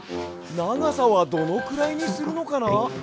ながさはどのくらいにするのかな？